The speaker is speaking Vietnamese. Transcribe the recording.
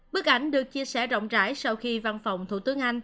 bức ảnh được chia sẻ rộng rãi sau khi văn phòng thủ tướng anh